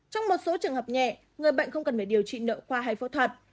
trong một số trường hợp nhẹ người bệnh không cần phải điều trị nợ qua hay phẫu thuật